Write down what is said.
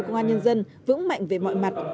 công an nhân dân vững mạnh về mọi mặt